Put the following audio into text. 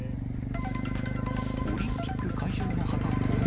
オリンピック会場の旗盗難。